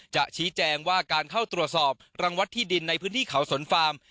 ชี้แจงว่าการเข้าตรวจสอบรังวัดที่ดินในพื้นที่เขาสนฟาร์ม